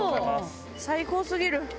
最高過ぎる！